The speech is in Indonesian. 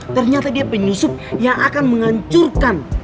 ternyata dia penyusup yang akan menghancurkan